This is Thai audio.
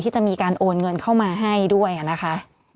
จะมีการโอนเงินเข้ามาให้ด้วยนะคะ